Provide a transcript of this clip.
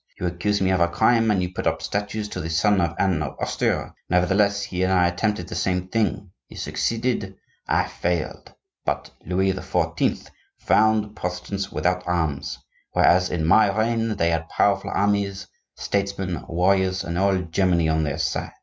You accuse me of a crime, and you put up statues to the son of Anne of Austria! Nevertheless, he and I attempted the same thing; he succeeded, I failed; but Louis XIV. found the Protestants without arms, whereas in my reign they had powerful armies, statesmen, warriors, and all Germany on their side.